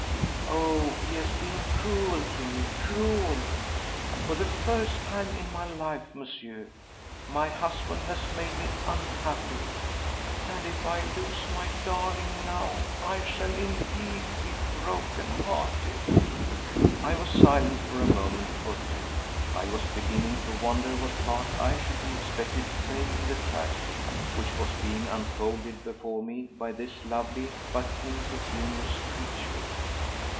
Oh! he has been cruel to me, cruel!—for the first time in my life, Monsieur, my husband has made me unhappy, and if I lose my darling now I shall indeed be broken hearted." I was silent for a moment or two. I was beginning to wonder what part I should be expected to play in the tragedy which was being unfolded before me by this lovely and impecunious creature.